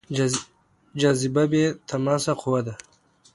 جاذبه بې تماس قوه ده.